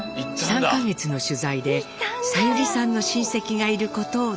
３か月の取材でさゆりさんの親戚がいることを突き止めました。